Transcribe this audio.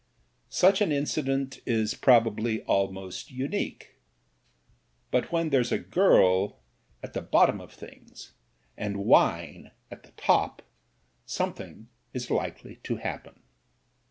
Such an incident is probably almost unique ; but when there's a girl at the bottom of things and wine at the top, something is likely to happen.